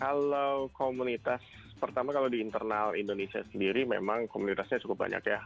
kalau komunitas pertama kalau di internal indonesia sendiri memang komunitasnya cukup banyak ya